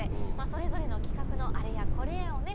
それぞれの企画のあれやこれやをね